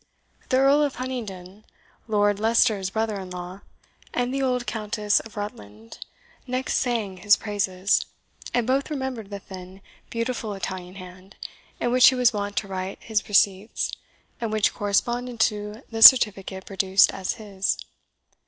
The Earl of Huntingdon, Lord Leicester's brother in law, and the old Countess of Rutland, next sang his praises, and both remembered the thin, beautiful Italian hand in which he was wont to write his receipts, and which corresponded to the certificate produced as his.